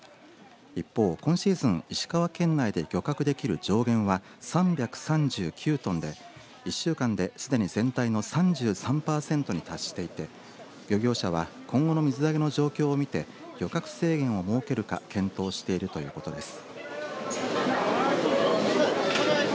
一方、今シーズン石川県内で漁獲できる上限は３３９トンで１週間ですでに全体の３３パーセントに達していて漁業者は今後の水揚げの状況を見て漁獲制限を設けるか検討しているということです。